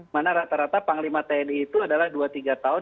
mana rata rata panglima tni itu adalah dua tiga tahun